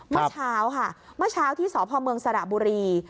เมื่อเช้าค่ะเมื่อเช้าที่สพเมืองสระบุรี